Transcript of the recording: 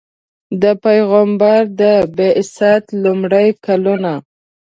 د پیغمبر د بعثت لومړي کلونه.